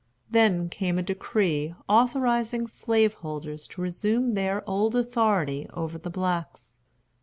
Then came a decree authorizing slaveholders to resume their old authority over the blacks.